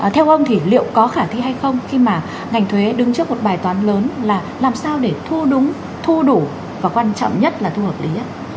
theo ông thì liệu có khả thi hay không khi mà ngành thuế đứng trước một bài toán lớn là làm sao để thu đúng thu đủ và quan trọng nhất là thu hợp lý nhất